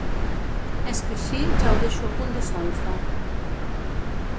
És que així ja ho deixo a punt de solfa.